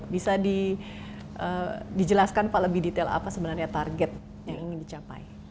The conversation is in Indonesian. bisa dijelaskan pak lebih detail apa sebenarnya target yang ingin dicapai